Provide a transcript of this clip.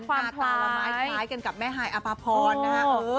หน้าตาละไม้คล้ายกันกับแม่ฮายอภพรนะฮะ